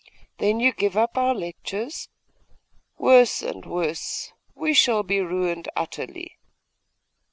'Then you give up our lectures? Worse and worse! We shall be ruined utterly!